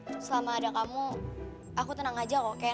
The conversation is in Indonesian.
selama ada kamu aku tenang aja kok ken